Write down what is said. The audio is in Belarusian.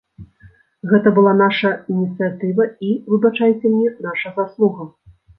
Гэта была наша ініцыятыва і, выбачайце мне, наша заслуга.